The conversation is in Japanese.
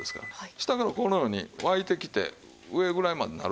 下からこのように沸いてきて上ぐらいまでになるとね。